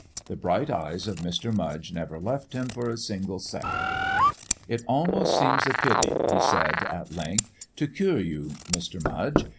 The bright eyes of Mr. Mudge never left him for a single second. "It almost seems a pity," he said at length, "to cure you, Mr. Mudge.